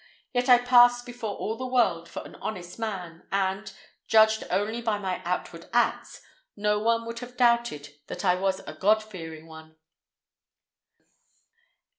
Yet I passed before all the world for an honest man, and, judged only by my outward acts, no one would have doubted that I was a God fearing one."